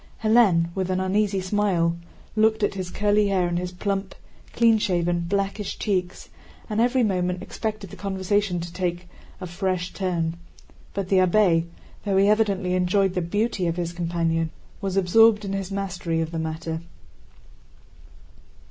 Hélène with an uneasy smile looked at his curly hair and his plump, clean shaven, blackish cheeks and every moment expected the conversation to take a fresh turn. But the abbé, though he evidently enjoyed the beauty of his companion, was absorbed in his mastery of the matter.